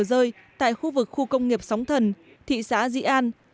tờ rơi tại khu vực khu công nghiệp sóng thần thị xã dĩ an